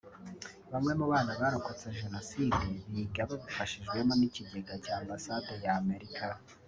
Bamwe mu bana barokotse Jenoside biga babifashijwemo n’ikigega cya Ambasade ya Amerika